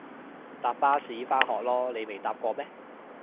搭巴士返學囉，你未搭過咩？